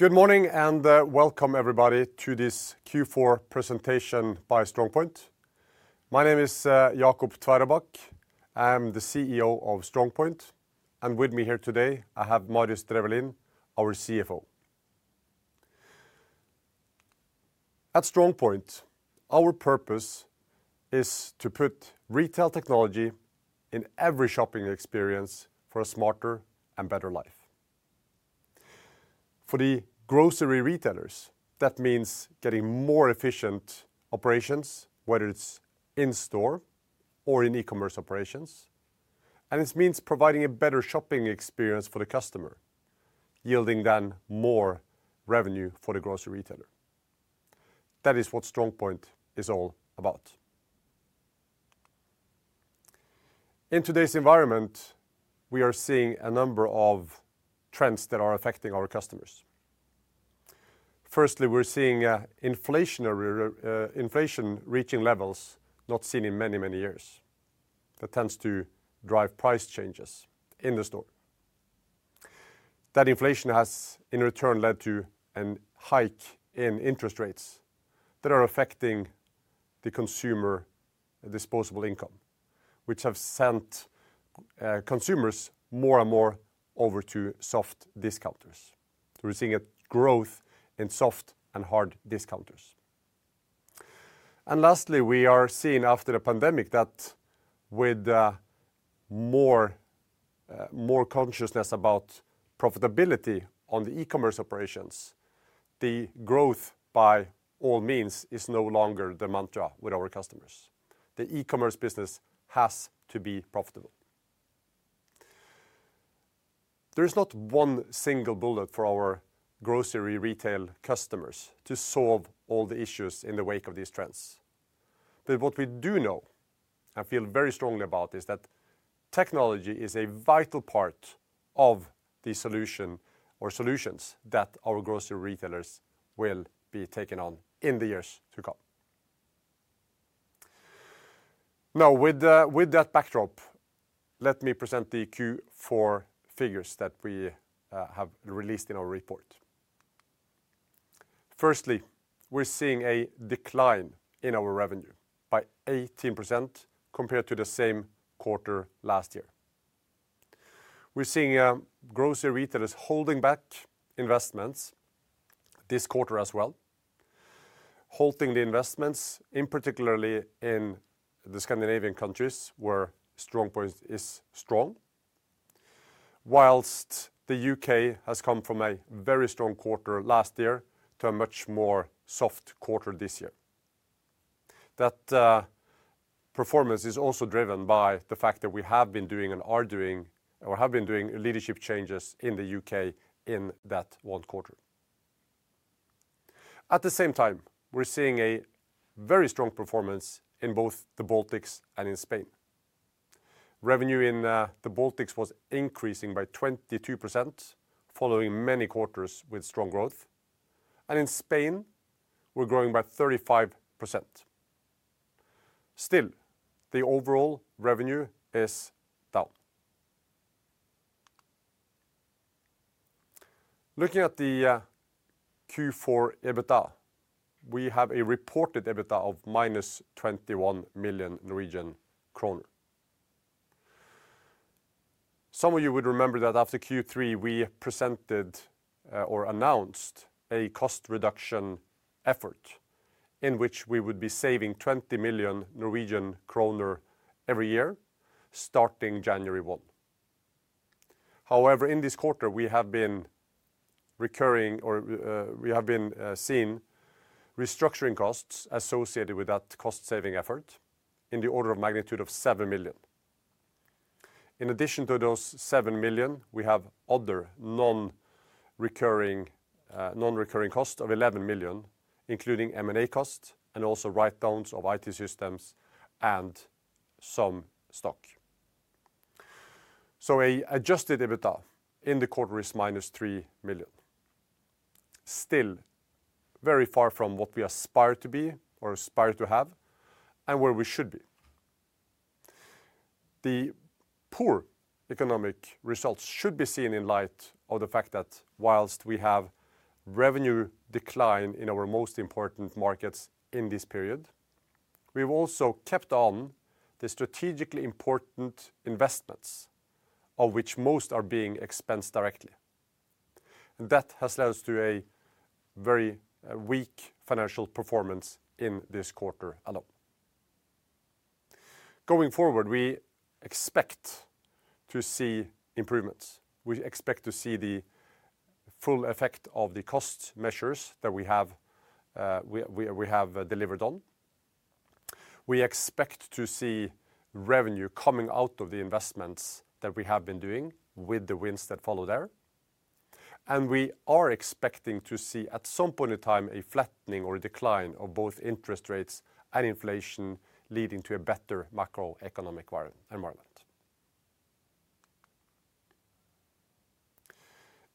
Good morning and welcome everybody to this Q4 presentation by StrongPoint. My name is Jacob Tveraabak, I'm the CEO of StrongPoint, and with me here today I have Marius Drefvelin, our CFO. At StrongPoint, our purpose is to put retail technology in every shopping experience for a smarter and better life. For the grocery retailers, that means getting more efficient operations, whether it's in-store or in e-commerce operations, and it means providing a better shopping experience for the customer, yielding then more revenue for the grocery retailer. That is what StrongPoint is all about. In today's environment, we are seeing a number of trends that are affecting our customers. Firstly, we're seeing inflation reaching levels not seen in many, many years. That tends to drive price changes in the store. That inflation has in return led to a hike in interest rates that are affecting the consumer disposable income, which have sent consumers more and more over to soft discounters. We're seeing a growth in soft and hard discounters. And lastly, we are seeing after the pandemic that with more consciousness about profitability on the e-commerce operations, the growth by all means is no longer the mantra with our customers. The e-commerce business has to be profitable. There is not one single bullet for our grocery retail customers to solve all the issues in the wake of these trends. But what we do know, and feel very strongly about, is that technology is a vital part of the solution or solutions that our grocery retailers will be taking on in the years to come. Now, with that backdrop, let me present the Q4 figures that we have released in our report. Firstly, we're seeing a decline in our revenue by 18% compared to the same quarter last year. We're seeing grocery retailers holding back investments this quarter as well, holding the investments, in particular in the Scandinavian countries where StrongPoint is strong, whilst the U.K. has come from a very strong quarter last year to a much more soft quarter this year. That performance is also driven by the fact that we have been doing and are doing or have been doing leadership changes in the U.K. in that one quarter. At the same time, we're seeing a very strong performance in both the Baltics and in Spain. Revenue in the Baltics was increasing by 22% following many quarters with strong growth, and in Spain we're growing by 35%. Still, the overall revenue is down. Looking at the Q4 EBITDA, we have a reported EBITDA of -21 million Norwegian kroner. Some of you would remember that after Q3 we presented or announced a cost reduction effort in which we would be saving 20 million Norwegian kroner every year starting January 1. However, in this quarter we have been incurring or we have been seeing restructuring costs associated with that cost saving effort in the order of magnitude of 7 million. In addition to those 7 million, we have other non-recurring costs of 11 million, including M&A costs and also write-downs of IT systems and some stock. So an adjusted EBITDA in the quarter is -3 million. Still, very far from what we aspire to be or aspire to have and where we should be. The poor economic results should be seen in light of the fact that while we have revenue decline in our most important markets in this period, we have also kept on the strategically important investments of which most are being expensed directly. That has led us to a very weak financial performance in this quarter alone. Going forward, we expect to see improvements. We expect to see the full effect of the cost measures that we have delivered on. We expect to see revenue coming out of the investments that we have been doing with the wins that follow there. We are expecting to see at some point in time a flattening or a decline of both interest rates and inflation leading to a better macroeconomic environment.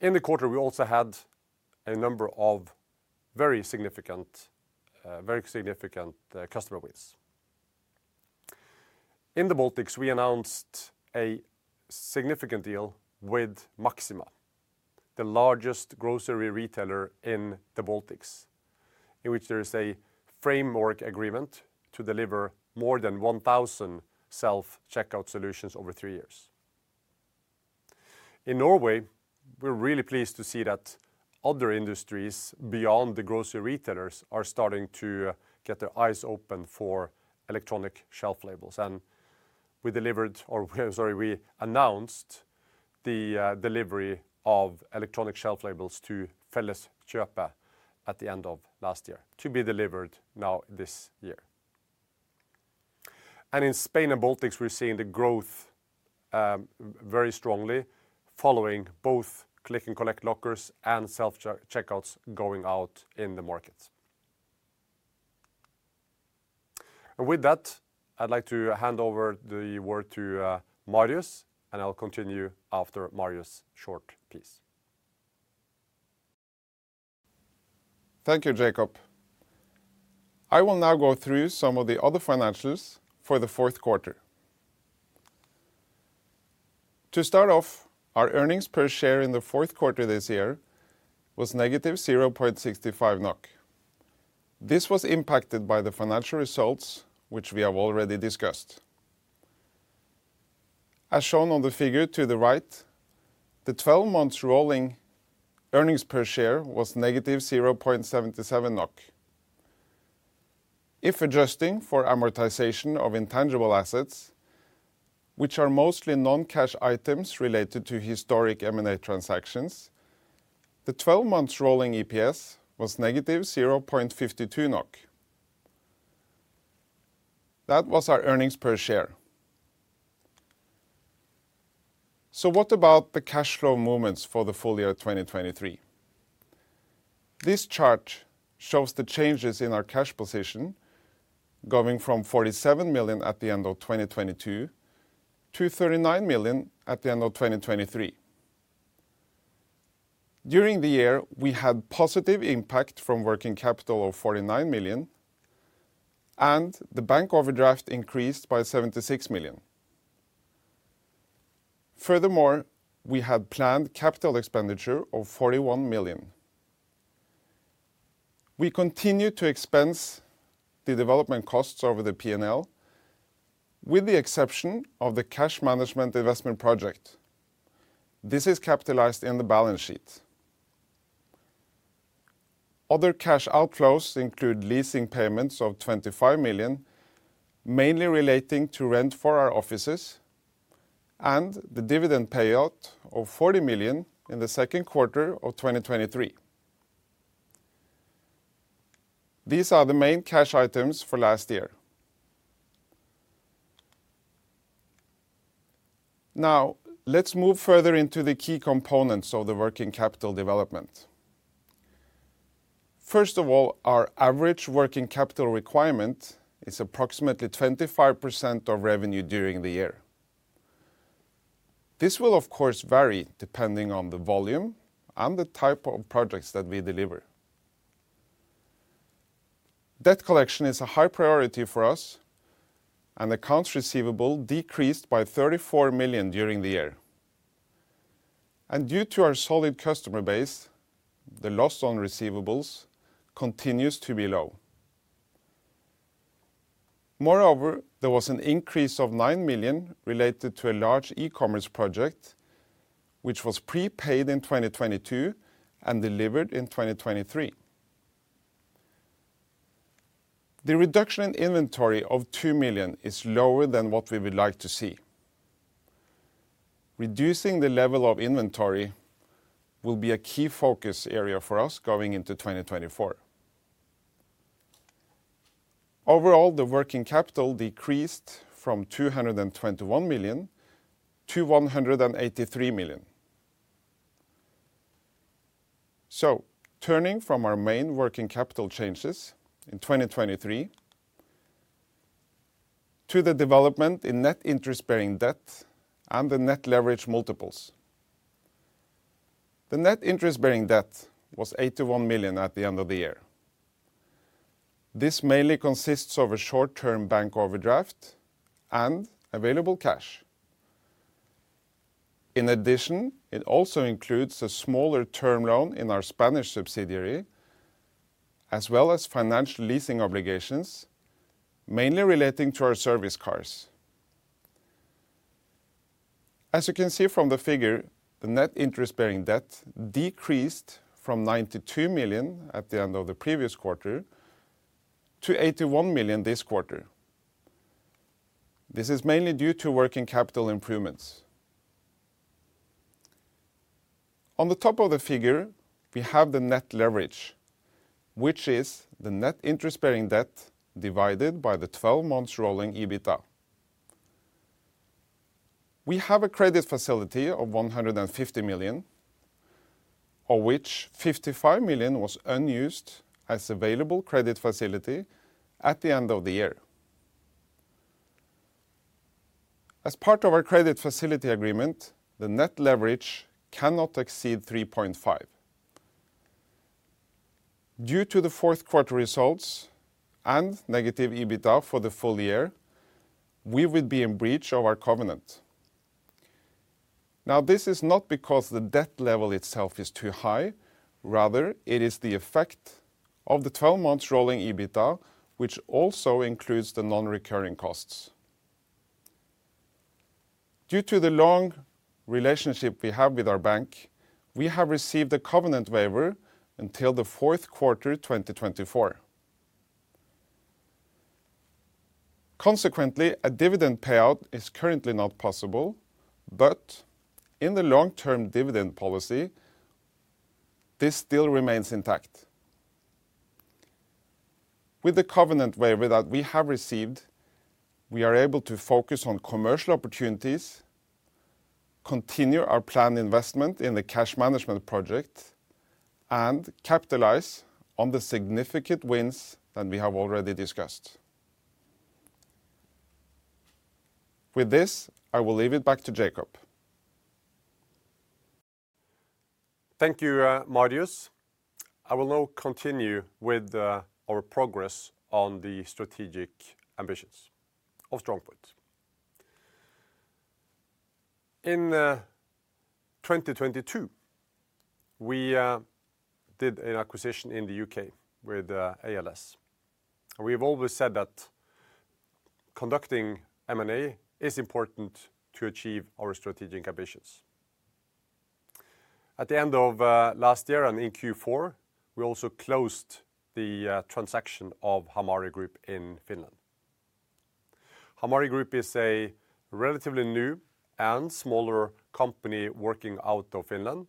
In the quarter we also had a number of very significant customer wins. In the Baltics we announced a significant deal with Maxima, the largest grocery retailer in the Baltics, in which there is a framework agreement to deliver more than 1,000 self-checkout solutions over three years. In Norway, we're really pleased to see that other industries beyond the grocery retailers are starting to get their eyes open for electronic shelf labels. And we delivered or, sorry, we announced the delivery of electronic shelf labels to Felleskjøpet at the end of last year, to be delivered now this year. And in Spain and Baltics we're seeing the growth very strongly following both click-and-collectlockers and self-checkouts going out in the markets. And with that, I'd like to hand over the word to Marius and I'll continue after Marius' short piece. Thank you, Jacob. I will now go through some of the other financials for the fourth quarter. To start off, our earnings per share in the fourth quarter this year was negative 0.65 NOK. This was impacted by the financial results which we have already discussed. As shown on the figure to the right, the 12-month rolling earnings per share was negative 0.77 NOK. If adjusting for amortization of intangible assets, which are mostly non-cash items related to historic M&A transactions, the 12-month rolling EPS was negative 0.52 NOK. That was our earnings per share. So what about the cash flow movements for the full year 2023? This chart shows the changes in our cash position going from 47 million at the end of 2022 to 39 million at the end of 2023. During the year we had positive impact from working capital of 49 million and the bank overdraft increased by 76 million. Furthermore, we had planned capital expenditure of 41 million. We continue to expense the development costs over the P&L with the exception of the cash management investment project. This is capitalized in the balance sheet. Other cash outflows include leasing payments of 25 million, mainly relating to rent for our offices, and the dividend payout of 40 million in the second quarter of 2023. These are the main cash items for last year. Now, let's move further into the key components of the working capital development. First of all, our average working capital requirement is approximately 25% of revenue during the year. This will, of course, vary depending on the volume and the type of projects that we deliver. Debt collection is a high priority for us and accounts receivable decreased by 34 million during the year. Due to our solid customer base, the loss on receivables continues to be low. Moreover, there was an increase of 9 million related to a large e-commerce project which was prepaid in 2022 and delivered in 2023. The reduction in inventory of 2 million is lower than what we would like to see. Reducing the level of inventory will be a key focus area for us going into 2024. Overall, the working capital decreased from 221 million to 183 million. So, turning from our main working capital changes in 2023 to the development in net interest-bearing debt and the net leverage multiples. The net interest-bearing debt was 81 million at the end of the year. This mainly consists of a short-term bank overdraft and available cash. In addition, it also includes a smaller term loan in our Spanish subsidiary, as well as financial leasing obligations, mainly relating to our service cars. As you can see from the figure, the net interest-bearing debt decreased from 92 million at the end of the previous quarter to 81 million this quarter. This is mainly due to working capital improvements. On the top of the figure, we have the net leverage, which is the net interest-bearing debt divided by the 12-month rolling EBITDA. We have a credit facility of 150 million, of which 55 million was unused as available credit facility at the end of the year. As part of our credit facility agreement, the net leverage cannot exceed 3.5. Due to the fourth quarter results and negative EBITDA for the full year, we would be in breach of our covenant. Now, this is not because the debt level itself is too high. Rather, it is the effect of the 12-month rolling EBITDA, which also includes the non-recurring costs. Due to the long relationship we have with our bank, we have received a covenant waiver until the fourth quarter 2024. Consequently, a dividend payout is currently not possible. But in the long-term dividend policy, this still remains intact. With the covenant waiver that we have received, we are able to focus on commercial opportunities, continue our planned investment in the cash management project, and capitalize on the significant wins that we have already discussed. With this, I will leave it back to Jacob. Thank you, Marius. I will now continue with our progress on the strategic ambitions of StrongPoint. In 2022, we did an acquisition in the U.K. with ALS. We have always said that conducting M&A is important to achieve our strategic ambitions. At the end of last year and in Q4, we also closed the transaction of Hamari Group in Finland. Hamari Group is a relatively new and smaller company working out of Finland.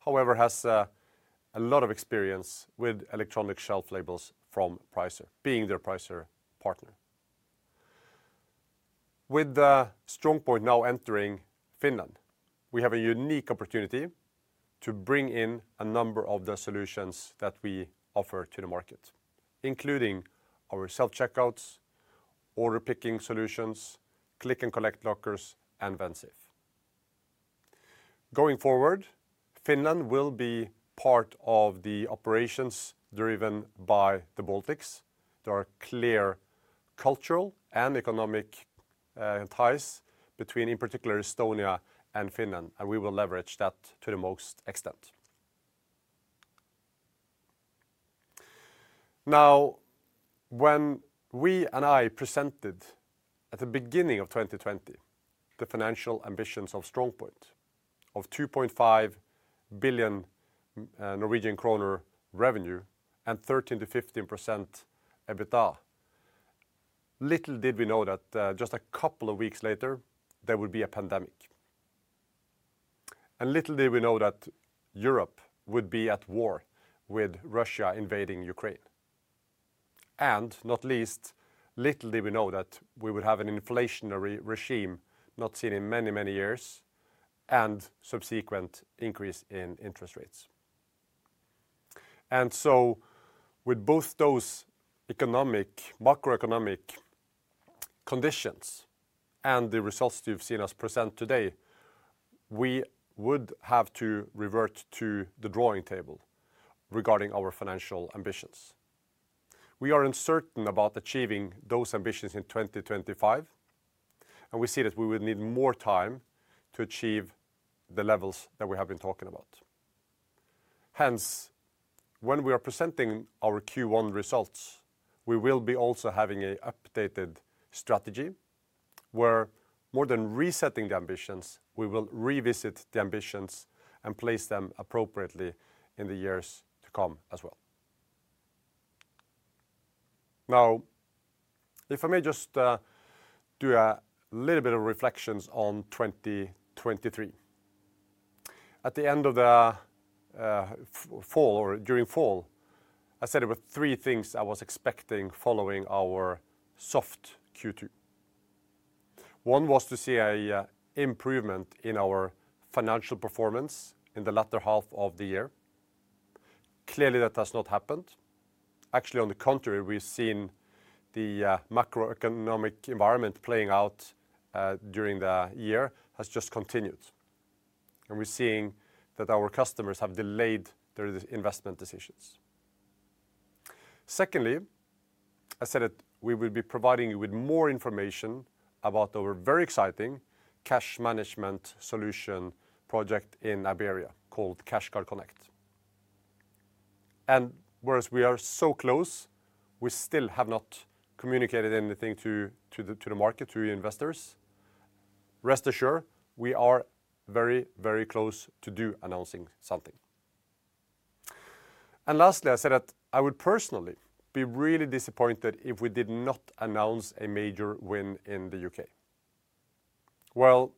However, it has a lot of experience with electronic shelf labels from Pricer, being their Pricer partner. With StrongPoint now entering Finland, we have a unique opportunity to bring in a number of the solutions that we offer to the market, including our self-checkouts, order picking solutions, click-and-collect lockers, and Vensafe. Going forward, Finland will be part of the operations driven by the Baltics. There are clear cultural and economic ties between, in particular, Estonia and Finland. And we will leverage that to the most extent. Now, when we and I presented at the beginning of 2020 the financial ambitions of StrongPoint of 2.5 billion Norwegian kroner revenue and 13%-15% EBITDA, little did we know that just a couple of weeks later there would be a pandemic. Little did we know that Europe would be at war with Russia invading Ukraine. Not least, little did we know that we would have an inflationary regime not seen in many, many years and subsequent increase in interest rates. With both those economic, macroeconomic conditions and the results you've seen us present today, we would have to revert to the drawing board regarding our financial ambitions. We are uncertain about achieving those ambitions in 2025. We see that we would need more time to achieve the levels that we have been talking about. Hence, when we are presenting our Q1 results, we will be also having an updated strategy where, more than resetting the ambitions, we will revisit the ambitions and place them appropriately in the years to come as well. Now, if I may just do a little bit of reflections on 2023. At the end of the fall, or during fall, I said there were three things I was expecting following our soft Q2. One was to see an improvement in our financial performance in the latter half of the year. Clearly, that has not happened. Actually, on the contrary, we've seen the macroeconomic environment playing out during the year has just continued. And we're seeing that our customers have delayed their investment decisions. Secondly, I said that we would be providing you with more information about our very exciting cash management solution project in Iberia called CashGuard Connect. And whereas we are so close, we still have not communicated anything to the market, to investors. Rest assured, we are very, very close to announcing something. And lastly, I said that I would personally be really disappointed if we did not announce a major win in the U.K. Well,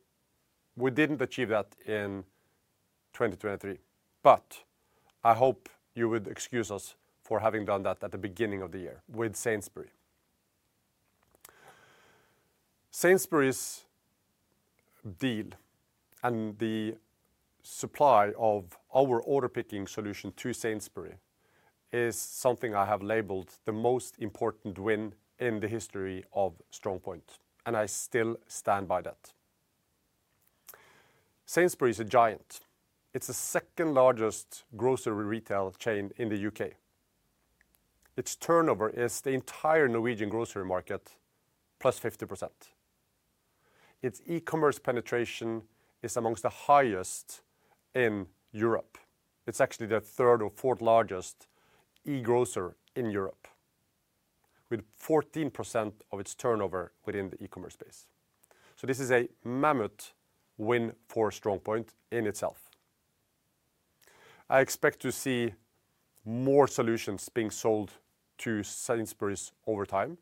we didn't achieve that in 2023. But I hope you would excuse us for having done that at the beginning of the year with Sainsbury's. Sainsbury's deal and the supply of our order picking solution to Sainsbury's is something I have labeled the most important win in the history of StrongPoint. And I still stand by that. Sainsbury's a giant. It's the second largest grocery retail chain in the U.K. Its turnover is the entire Norwegian grocery market plus 50%. Its e-commerce penetration is among the highest in Europe. It's actually the third or fourth largest e-grocer in Europe, with 14% of its turnover within the e-commerce space. So this is a mammoth win for StrongPoint in itself. I expect to see more solutions being sold to Sainsbury's over time.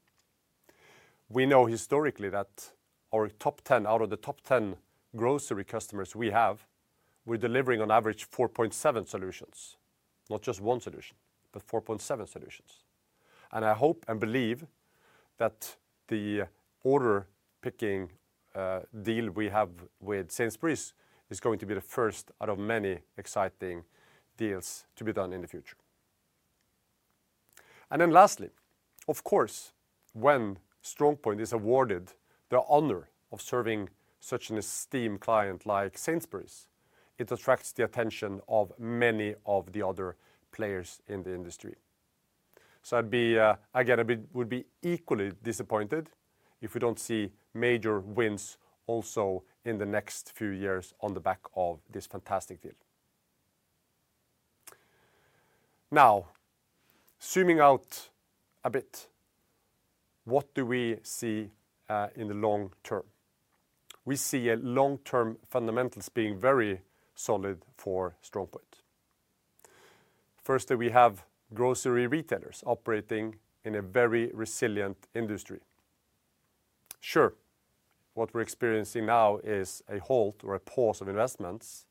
We know historically that our top 10 out of the top 10 grocery customers we have, we're delivering on average 4.7 solutions, not just one solution, but 4.7 solutions. I hope and believe that the order picking deal we have with Sainsbury's is going to be the first out of many exciting deals to be done in the future. Then lastly, of course, when StrongPoint is awarded the honor of serving such an esteemed client like Sainsbury's, it attracts the attention of many of the other players in the industry. I'd be, again, I would be equally disappointed if we don't see major wins also in the next few years on the back of this fantastic deal. Now, zooming out a bit, what do we see in the long term? We see long-term fundamentals being very solid for StrongPoint. Firstly, we have grocery retailers operating in a very resilient industry. Sure, what we're experiencing now is a halt or a pause of investments.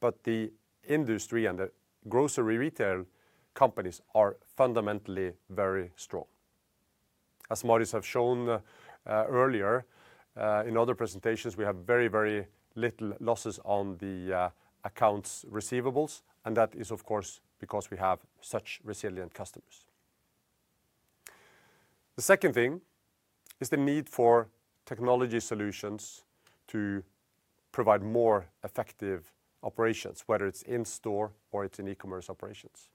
But the industry and the grocery retail companies are fundamentally very strong. As Marius has shown earlier in other presentations, we have very, very little losses on the accounts receivables. And that is, of course, because we have such resilient customers. The second thing is the need for technology solutions to provide more effective operations, whether it's in-store or it's in e-commerce operations.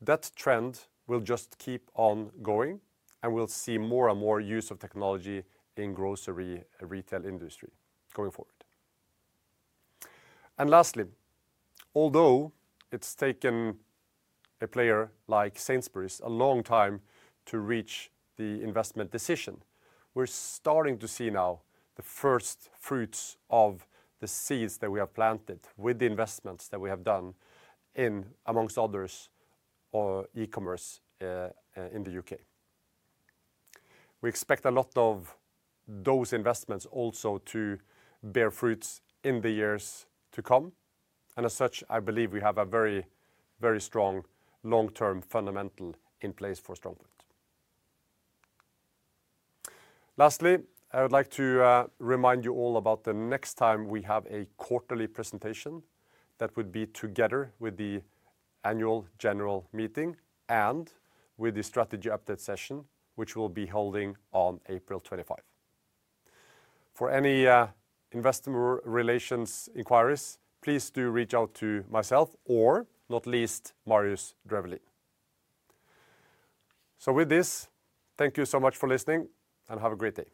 That trend will just keep on going. And we'll see more and more use of technology in the grocery retail industry going forward. Lastly, although it's taken a player like Sainsbury's a long time to reach the investment decision, we're starting to see now the first fruits of the seeds that we have planted with the investments that we have done in, among others, e-commerce in the U.K. We expect a lot of those investments also to bear fruits in the years to come. And as such, I believe we have a very, very strong long-term fundamental in place for StrongPoint. Lastly, I would like to remind you all about the next time we have a quarterly presentation that would be together with the annual general meeting and with the strategy update session, which we'll be holding on April 25. For any investor relations inquiries, please do reach out to myself or, not least, Marius Drefvelin. So with this, thank you so much for listening. Have a great day.